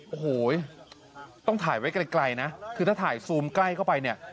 โอ้โหต้องถ่ายไว้ไกลนะคือถ้าถ่ายซูมใกล้เข้าไปเนี่ย